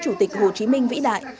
chủ tịch hồ chí minh vĩ đại